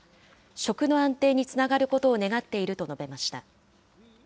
食の安定につながることを願っていると述べました。